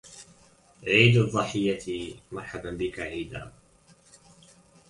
عيد الضحية مرحبا بك عيدا